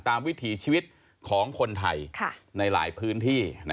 วิถีชีวิตของคนไทยในหลายพื้นที่